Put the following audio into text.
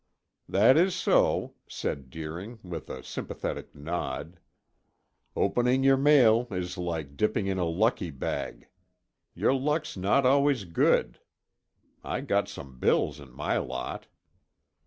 "That is so," said Deering, with a sympathetic nod. "Opening your mail is like dipping in a lucky bag; your luck's not always good. I got some bills in my lot."